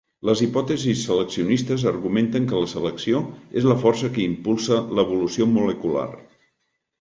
Les hipòtesis seleccionistes argumenten que la selecció és la força que impulsa l'evolució molecular.